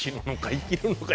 生きるのか！」。